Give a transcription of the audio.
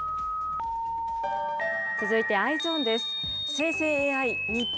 続いてＥｙｅｓｏｎです。